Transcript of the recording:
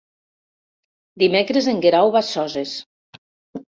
Dimecres en Guerau va a Soses.